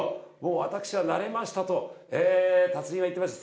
「私は慣れました」と達人は言ってました。